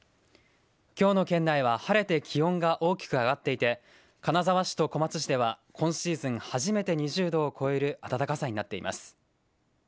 きょうの県内は晴れて気温が大きく上がっていて金沢市と小松市では今シーズン初めて２０度を超える暖かさとなっています。